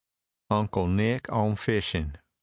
UNCLE NICK ON FISHING.